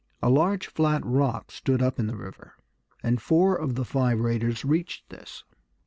A large flat rock stood up in the river, and four of the five raiders reached this.